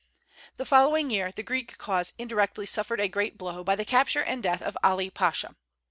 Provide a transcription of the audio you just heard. The following year the Greek cause indirectly suffered a great blow by the capture and death of Ali Pasha.